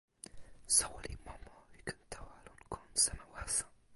soweli Momo li ken tawa lon kon sama waso.